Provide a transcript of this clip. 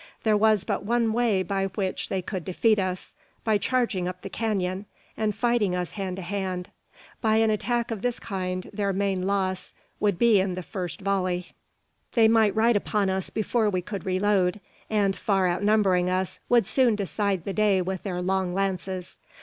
There was but one way by which they could defeat us: by charging up the canon, and fighting us hand to hand. By an attack of this kind their main loss would be in the first volley. They might ride upon us before we could reload; and, far outnumbering us, would soon decide the day with their long lances.